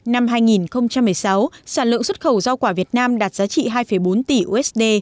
năm hai nghìn một mươi sáu sản lượng xuất khẩu rau quả việt nam đạt giá trị hai bốn tỷ usd